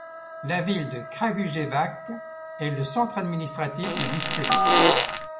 La ville de Kragujevac est le centre administratif du district.